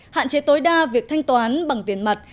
hạn chế tối đa việc thanh toán bằng tiền mặt